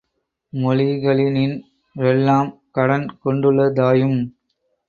மொழிகளினின்றெல்லாம் கடன் கொண்டுள்ளதாயும்